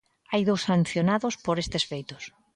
Hai dous sancionados por estes feitos.